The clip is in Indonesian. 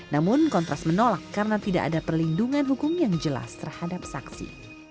namun kontras menolak karena tidak ada perlindungan hukum yang jelas terhadap saksi